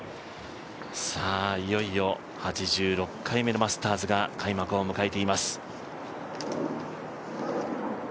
いよいよ８６回目のマスターズが開幕を迎えています。